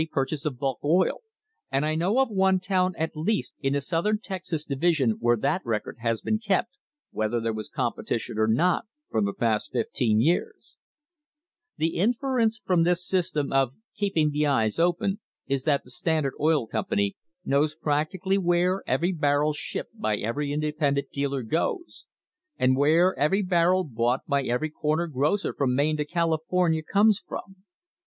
purchase of bulk oil ; and I know of one town at least in the Southern Texas Division where that record has been kept, whether there was competition or not, for the past fifteen years." * The inference from this system of "keeping the eyes open" is that the Standard Oil Company knows practically where * Trust Investigation of Ohio Senate, 1898, page 371. THE HISTORY OF THE STANDARD OIL COMPANY every barrel shipped by every independent dealer goes; and where every barrel bought by every corner grocer from Maine to California comes from.